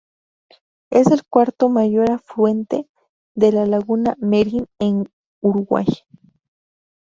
Es el cuarto mayor afluente de la laguna Merín en Uruguay.